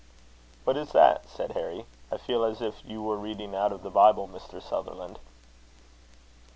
"What is that?" said Harry. "I feel as if you were reading out of the Bible, Mr. Sutherland."